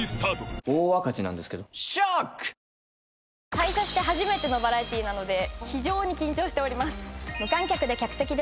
退社して初めてのバラエティーなので緊張しております。